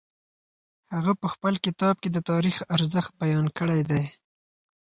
هغه په خپل کتاب کي د تاریخ ارزښت بیان کړی دی.